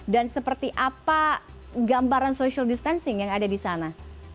dan seperti apa gambaran social distancing yang ada di sana